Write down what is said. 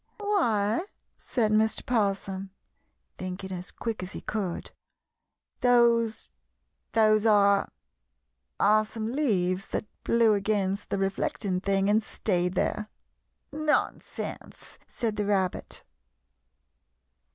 "Why," said Mr. 'Possum, thinking as quick as he could, "those those are are some leaves that blew against the reflecting thing and stayed there." [Illustration: "'NONSENSE!" SAID THE RABBIT.